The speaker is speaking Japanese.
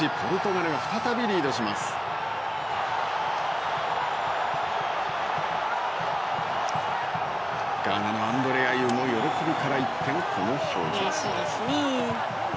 ガーナのアンドレ・アイウも喜びから一転この表情。